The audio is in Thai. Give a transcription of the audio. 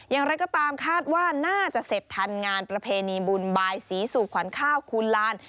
อย่างไรก็ตามคาดว่าน่าจะเสร็จทันงานประเพณีบุญบายศรีสู่ขวัญข้าวคูณลาน